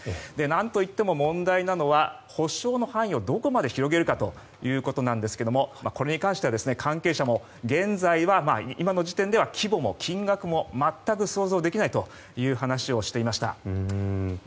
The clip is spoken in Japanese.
何といっても問題なのは補償の範囲をどこまで広げるかですがこれに関しては、関係者も今の時点では規模も金額も全く想像できないという話をしていました。